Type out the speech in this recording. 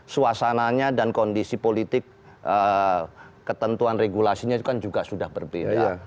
suasananya dan kondisi politik ketentuan regulasinya itu kan juga sudah berbeda